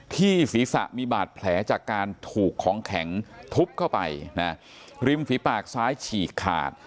ที่ศีรษะมีบาดแผลจากการถูกของแข็งทุบเข้าไปนะริมฝีปากซ้ายฉีกขาด